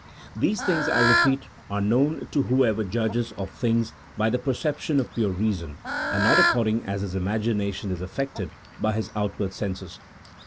These things, I repeat, are known to whoever judges of things by the perception of pure reason, and not according as his imagination is affected by his outward senses.